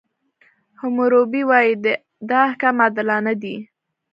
حموربي وایي، دا احکام عادلانه دي.